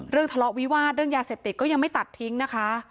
ทะเลาะวิวาสเรื่องยาเสพติดก็ยังไม่ตัดทิ้งนะคะ